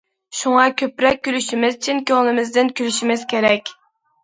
شۇڭا كۆپرەك كۈلۈشىمىز، چىن كۆڭلىمىزدىن كۈلۈشىمىز كېرەك.